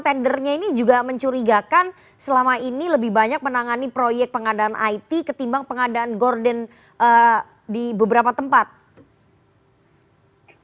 tendernya ini juga mencurigakan selama ini lebih banyak menangani proyek pengadaan it ketimbang pengadaan gorden di beberapa tempat